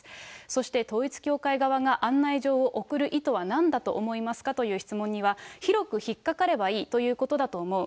そして統一教会側が案内状を送る意図はなんだと思いますかという質問には、広く引っかかればいいということだと思う。